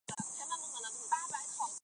营造工程